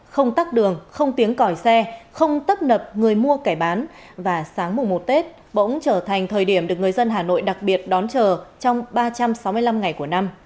không tắt đường không tiếng còi xe không tấp nập người mua kẻ bán và sáng mùa một tết bỗng trở thành thời điểm được người dân hà nội đặc biệt đón chờ trong ba trăm sáu mươi năm ngày của năm